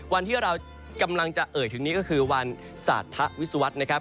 วันที่เรากำลังจะเอ่ยถึงนี้ก็คือวันสาธวิศวรรษนะครับ